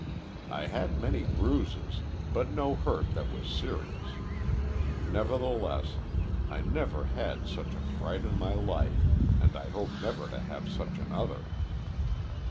I had many bruises, but no hurt that was serious; nevertheless, I never had such a fright in my life, and I hope never to have such another."